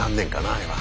あれは。